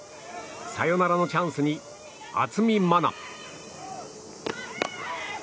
サヨナラのチャンスに渥美万奈。